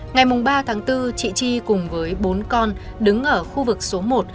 ngày ba bốn chị chi cùng với bốn con đứng ở khu vực số một